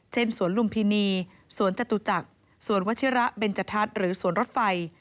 สวนลุมพินีสวนจตุจักรสวนวัชิระเบนจทัศน์หรือสวนรถไฟ